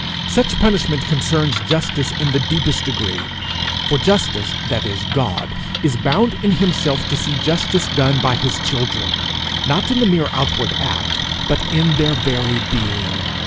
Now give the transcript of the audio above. Such punishment concerns justice in the deepest degree. For Justice, that is God, is bound in himself to see justice done by his children not in the mere outward act, but in their very being.